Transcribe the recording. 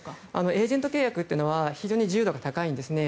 エージェント契約は非常に自由度が高いんですね。